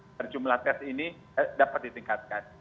agar jumlah tes ini dapat ditingkatkan